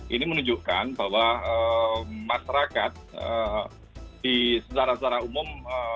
ini menunjukkan bahwa masyarakat secara secara umum